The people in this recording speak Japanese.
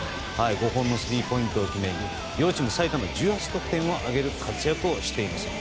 ５本のスリーポイントを決めて両チーム最多の１８得点を挙げる活躍をしています。